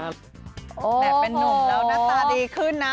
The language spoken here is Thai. แบบเป็นนุ่มแล้วหน้าตาดีขึ้นนะ